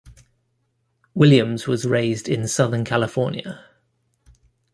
Williams was raised in Southern California.